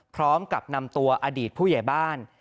พร้อมกับนำตัวอดีตผู้ใหญ่บ้าน